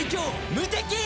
無敵！